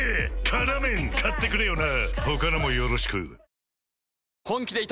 「辛麺」買ってくれよな！